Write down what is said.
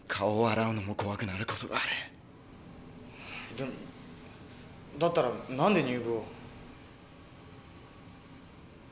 でもだったら何で入部を？